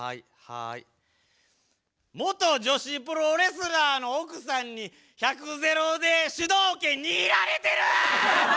元女子プロレスラーの奥さんに百・ゼロで主導権握られてる！